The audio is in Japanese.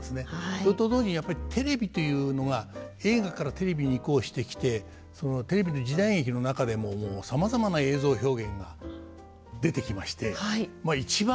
それと同時にやっぱりテレビというのが映画からテレビに移行してきてそのテレビの時代劇の中でももうさまざまな映像表現が出てきまして一番